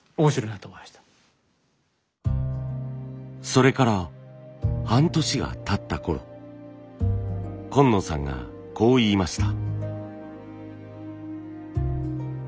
それから半年がたったころ今野さんがこう言いました。